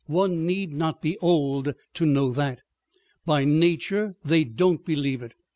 One need not be old to know that. By nature they don't believe it.